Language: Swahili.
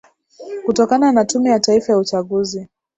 kutokana na tume ya taifa ya uchaguzi